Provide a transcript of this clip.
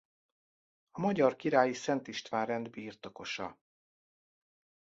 A Magyar Királyi Szent István Rend birtokosa.